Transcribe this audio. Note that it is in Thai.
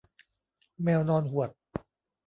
แมวนอนหวด